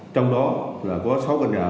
trong đó là có sáu căn nhà